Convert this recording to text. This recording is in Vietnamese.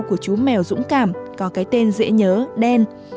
của chú mèo dũng cảm có cái tên dễ nhớ đen